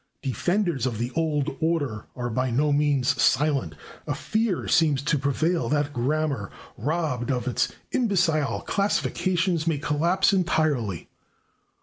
Defenders of the old order are by no means silent; a fear seems to prevail that grammar, robbed of its imbecile classifications, may collapse entirely.